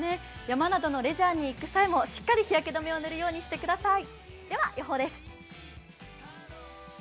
山などレジャーに行く際もしっかり日焼け止めを塗るようにしてください。